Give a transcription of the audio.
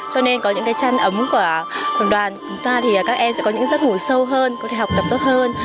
cho nên có những cái chăn ấm của đoàn chúng ta thì các em sẽ có những giấc ngủ sâu hơn có thể học tập tốt hơn